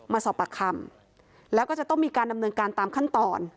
มาสอบปากคำแล้วก็จะต้องมีการดำเนินการตามขั้นตอน